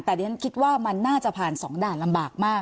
แต่ดิฉันคิดว่ามันน่าจะผ่าน๒ด่านลำบากมาก